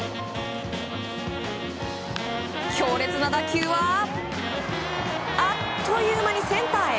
強烈な打球はあっという間にセンターへ。